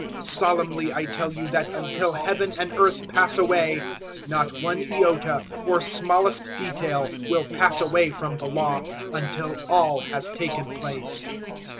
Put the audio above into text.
005:018 Solemnly I tell you that until Heaven and earth pass away, not one iota or smallest detail will pass away from the Law until all has taken place.